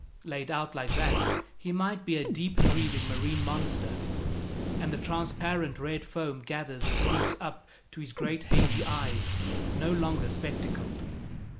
Laid out like that, he might be a deep breathing marine monster, and the transparent red foam gathers and creeps up to his great hazy eyes, no longer spectacled.